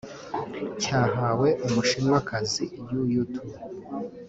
cyahawe Umushinwakazi Youyou Tu